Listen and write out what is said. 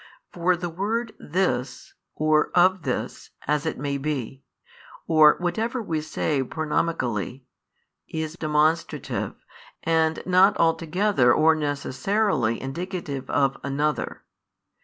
For the word This, or of this (as it may be), or whatever we say pronomically, is demonstrative, and not altogether or necessarily indicative of another.